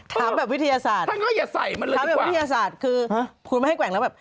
ถามแบบวิทยาศาสตร์ถามแบบวิทยาศาสตร์คือคุณมาให้แกว่งแล้วแบบ